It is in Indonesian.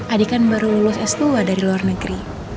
adik kan baru lulus s dua dari luar negeri